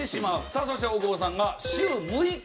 さあそして大久保さんが週６日野球。